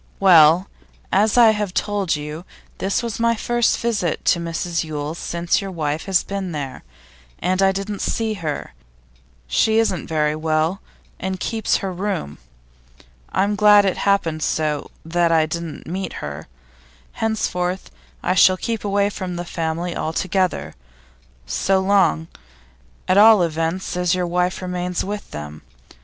'Well, as I have told you, this was my first visit to Mrs Yule's since your wife has been there, and I didn't see her; she isn't very well, and keeps her room. I'm glad it happened so that I didn't meet her. Henceforth I shall keep away from the family altogether, so long, at all events, as your wife remains with them.